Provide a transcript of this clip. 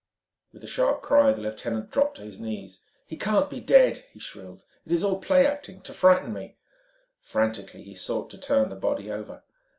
With a sharp cry the lieutenant dropped to his knees. "He can't be dead!" he shrilled. "It is all play acting, to frighten me!" Frantically he sought to turn the body over.